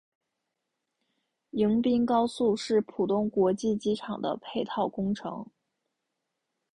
迎宾高速是浦东国际机场的配套工程。